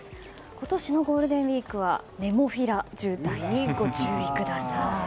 今年のゴールデンウィークはネモフィラ渋滞にご注意ください。